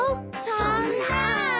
そんな。